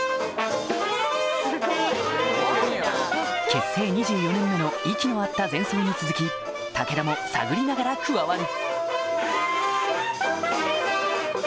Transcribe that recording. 結成２４年目の息の合った前奏に続き武田も探りながら加わる